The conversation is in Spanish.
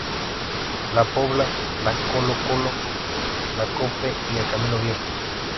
La Pobla, La Colo-Colo, La Cope y el Camino Viejo.